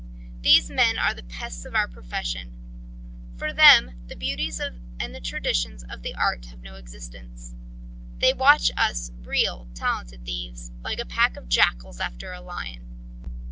These men are the pests of our profession. For them the beauties and the traditions of the art have no existence. They watch us real, talented thieves like a pack of jackals after a lion.